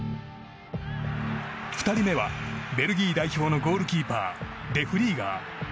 ２人目はベルギー代表のゴールキーパーデ・フリーガー。